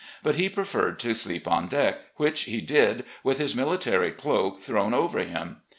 But he pre ferred to sleep on deck, which he did, with his military cloak thrown over him.